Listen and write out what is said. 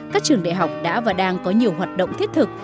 các trường đại học đã và đang có nhiều hoạt động thiết thực